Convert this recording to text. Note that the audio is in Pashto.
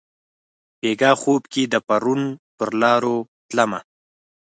بیګاه خوب کښي د پرون پرلارو تلمه